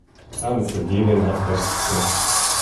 Sa’n ferdieling hat best sin.